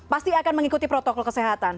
pasti akan mengikuti protokol kesehatan